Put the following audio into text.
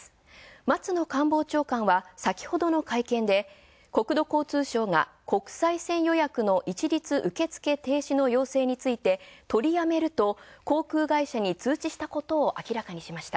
松野官房長官は先ほどの会見で国土交通省が国際線予約の一律受付停止の要請について、取りやめると航空会社に通知したことを明らかにしました。